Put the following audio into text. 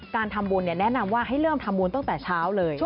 การทำบุญแนะนำว่าให้เริ่มทำบุญตั้งแต่เช้าเลย